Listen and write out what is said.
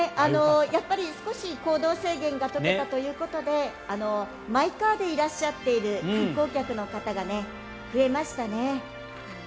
やっぱり少し行動制限が解けたということでマイカーでいらっしゃっている観光客の方が増えましたね。